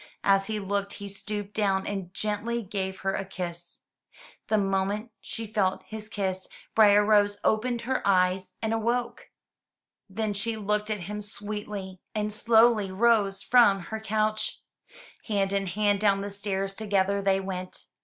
As he looked, he stooped down and gently gave her a kiss. The moment she felt his kiss. Briar rose opened her eyes and awoke. Then she looked at him sweetly and slowly 30 THROUGH FAIRY HALLS rose from her couch. Hand in hand, down the stairs together they went.